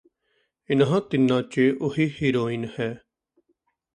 ਇਨ੍ਹਾਂ ਤਿੰਨਾਂ ਚ ਉਹੀ ਹੀਰੋਇਨ ਹੈ